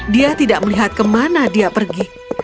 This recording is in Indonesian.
dia tidak melihat kemana dia pergi